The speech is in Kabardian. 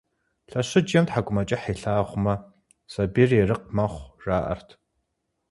Лъэщыджэм тхьэкӀумэкӀыхь илъагъумэ, сабийр ерыкъ мэхъу, жаӀэрт.